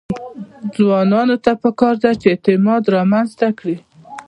ځوانانو ته پکار ده چې، اعتماد رامنځته کړي.